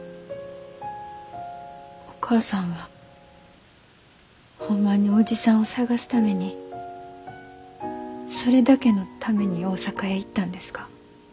お母さんはホンマに伯父さんを捜すためにそれだけのために大阪へ行ったんですか？